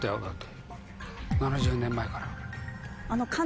７０年前から。